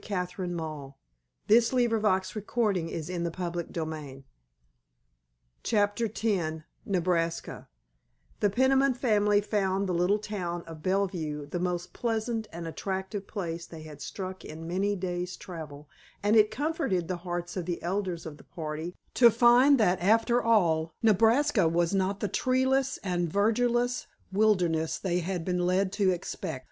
"God grant that it may be so," answered Joshua Peniman solemnly. *CHAPTER X* *NEBRASKA* The Peniman family found the little town of Bellevue the most pleasant and attractive place they had struck in many days' travel, and it comforted the hearts of the elders of the party to find that after all Nebraska was not the treeless and verdureless wilderness they had been led to expect.